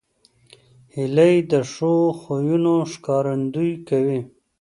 هیلۍ د ښو خویونو ښکارندویي کوي